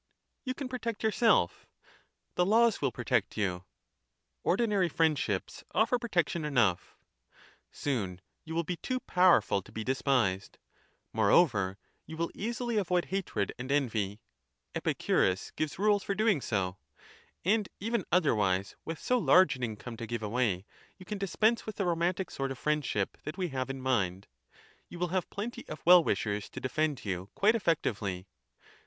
You can protect yourself; the laws will protect you ; ordinary friendships offer protection enough ; soon you will be too powerful to be des pised ; moreover you will easily avoid hatred and envy, — Epicurus gives rules lor doing so 1 And even otherwise, with so large an income to give away, you can dispense with the romantic sort of friendship that we have in mind; you will have plenty of well 15 wishers to defend you quite effectively.